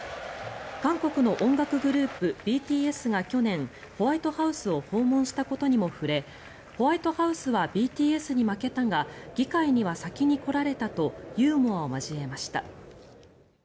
韓国の音楽グループ、ＢＴＳが去年、ホワイトハウスを訪問したことにも触れホワイトハウスはＢＴＳに負けたが議会には先に来られたとユーモアを交えました。